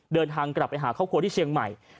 เดินทางกลับไปหาครอบครัวที่เชียงใหม่